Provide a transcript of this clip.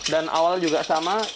dan awal juga sama